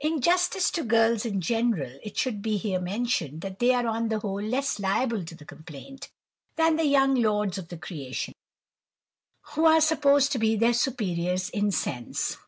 In justice to girls in general, it should be here mentioned, that they are on the whole less liable to the complaint than the young lords of the creation, who are supposed to be their superiors in sense.